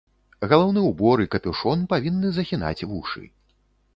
Галаўны ўбор і капюшон павінны захінаць вушы.